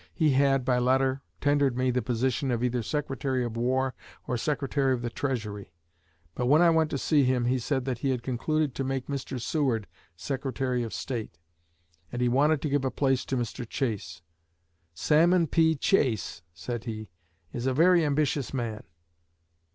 He had, by letter, tendered me the position of either Secretary of War or Secretary of the Treasury; but when I went to see him he said that he had concluded to make Mr. Seward Secretary of State, and he wanted to give a place to Mr. Chase. 'Salmon P. Chase,' said he, 'is a very ambitious man.'